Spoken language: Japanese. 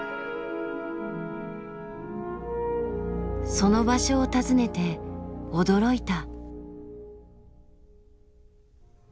その場所を訪ねて驚いた。